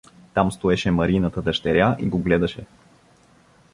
Там стоеше Мариината дъщеря и го гледаше.